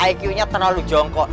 iq nya terlalu jongkok